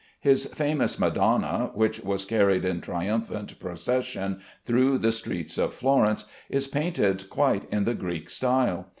His famous Madonna, which was carried in triumphant procession through the streets of Florence, is painted quite in the Greek style.